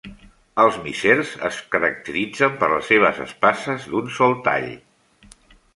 Els missers es caracteritzen per les seves espases d'un sol tall.